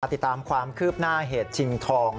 ติดตามความคืบหน้าเหตุชิงทอง